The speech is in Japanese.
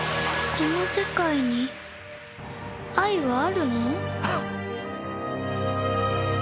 この世界に愛はあるの？